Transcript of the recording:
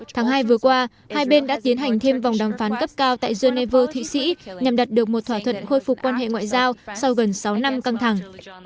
tháng hai vừa qua hai bên đã tiến hành thêm vòng đàm phán cấp cao tại geneva thụy sĩ nhằm đạt được một thỏa thuận khôi phục quan hệ ngoại giao sau gần sáu năm căng thẳng